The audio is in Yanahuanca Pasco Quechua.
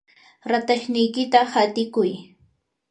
ratashniykita hatiykuy.